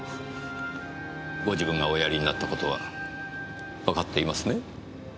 ご自分がおやりになった事はわかっていますね？